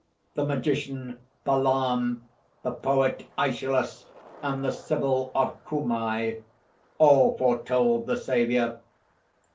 The magician Balaam, the poet Aeschylus, and the Sybil of Cumæ all foretold the Saviour.